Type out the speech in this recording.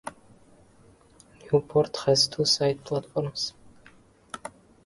Newport has two side platforms.